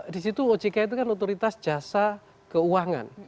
disitu ojk itu kan otoritas jasa keuangan